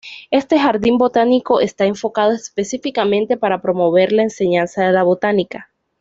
Este jardín botánico está enfocado específicamente para promover la enseñanza de la botánica.